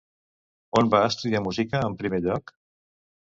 On va estudiar música, en primer lloc?